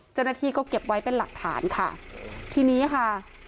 เจ้าหน้าที่ก็เก็บไว้เป็นหลักฐานค่ะทีนี้ค่ะ